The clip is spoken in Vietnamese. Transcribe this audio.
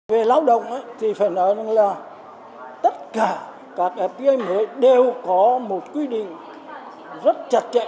về lao động thì phải nói rằng là tất cả các fta mới đều có một quy định rất chặt chẽ